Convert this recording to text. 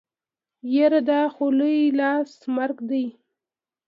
يره دا خو لوی لاس مرګ دی.